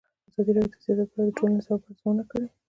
ازادي راډیو د سیاست په اړه د ټولنې د ځواب ارزونه کړې.